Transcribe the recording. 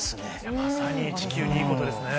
まさに地球にいいことですね。